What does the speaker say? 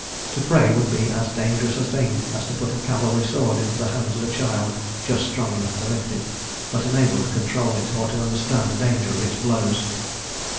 To pray would be as dangerous a thing as to put a cavalry sword into the hands of a child just strong enough to lift it, but unable to control it, or to understand the danger of its blows.